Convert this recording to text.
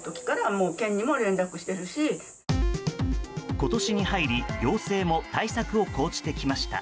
今年に入り行政も対策を講じてきました。